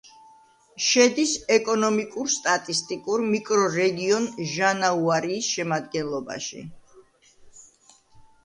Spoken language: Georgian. შედის ეკონომიკურ-სტატისტიკურ მიკრორეგიონ ჟანაუარიის შემადგენლობაში.